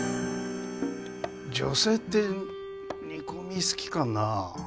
女性って煮込み好きかな。